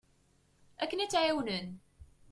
Akken ad tt-ɛiwnen.